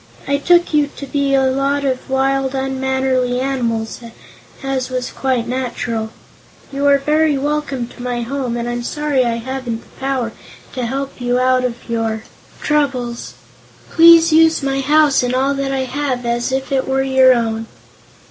"I took you to be a lot of wild, unmannerly animals, as was quite natural. You are very welcome to my home and I'm sorry I haven't the power to help you out of your troubles. Please use my house and all that I have, as if it were your own."